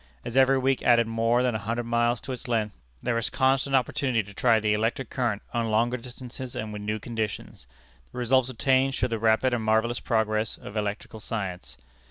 As every week added more than a hundred miles to its length, there was constant opportunity to try the electric current on longer distances and with new conditions. The results obtained showed the rapid and marvellous progress of electrical science.